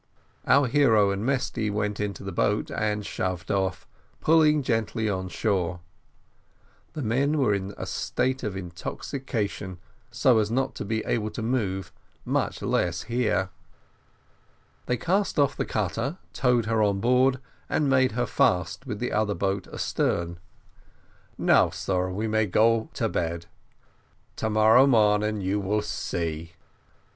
Our hero and Mesty went down into the boat and shoved off, pulling gently on shore; the men were in a state of intoxication, so as not to be able to move, much less hear. They cast off the cutter, towed her on board, and made her fast with the other boat astern. "Now, sar, we may go to bed; to morrow morning you will see."